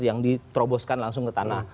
yang diteroboskan langsung ke tanah